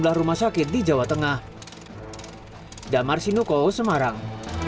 kebutuhan oksigen sejumlah rumah sakit di jawa tengah damar sinuko semarang